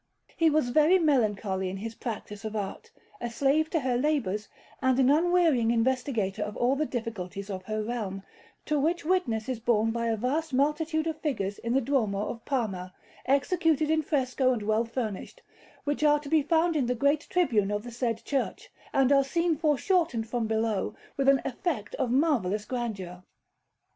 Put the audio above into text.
He was very melancholy in his practice of art, a slave to her labours, and an unwearying investigator of all the difficulties of her realm; to which witness is borne by a vast multitude of figures in the Duomo of Parma, executed in fresco and well finished, which are to be found in the great tribune of the said church, and are seen foreshortened from below with an effect of marvellous grandeur.